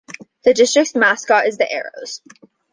The district's mascot is the Arrows.